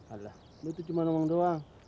alah lu itu cuma nomong doang